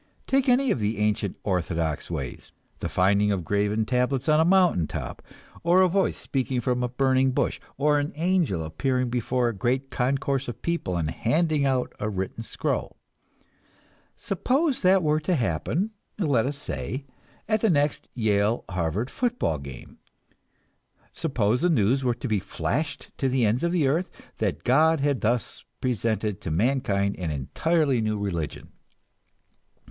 Take any of the ancient orthodox ways, the finding of graven tablets on a mountain top, or a voice speaking from a burning bush, or an angel appearing before a great concourse of people and handing out a written scroll. Suppose that were to happen, let us say, at the next Yale Harvard football game; suppose the news were to be flashed to the ends of the earth that God had thus presented to mankind an entirely new religion.